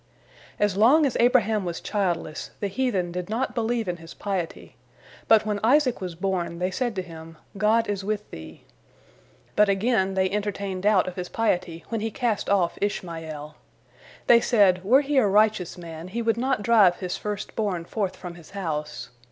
As long as Abraham was childless, the heathen did not believe in his piety, but when Isaac was born, they said to him, "God is with thee." But again they entertained doubt of his piety when he cast off Ishmael. They said, "Were he a righteous man, he would not drive his first born forth from his house."